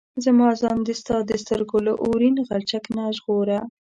ما ځان د ستا د سترګو له اورین غلچک نه ژغوره.